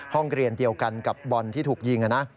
ห้องเรียนเดียวกันกับบอลที่ถูกยิงนะ